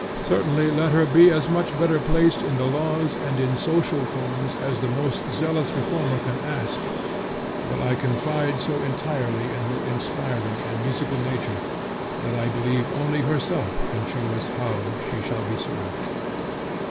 Certainly let her be as much better placed in the laws and in social forms as the most zealous reformer can ask, but I confide so entirely in her inspiring and musical nature, that I believe only herself can show us how she shall be served.